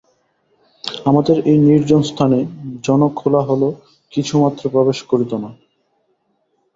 আমাদের এই নির্জন স্থানে জনকোলাহলও কিছুমাত্র প্রবেশ করিত না।